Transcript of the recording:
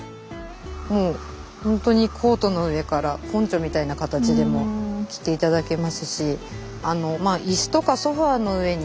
もうほんとにコートの上からポンチョみたいな形でも着て頂けますし椅子とかソファの上に。